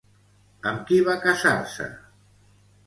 Amb qui va casar-se?